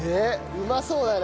うまそうだね。